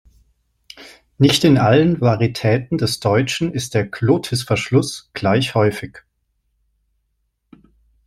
Nicht in allen Varitäten des Deutschen ist der Glottisverschluss gleich häufig.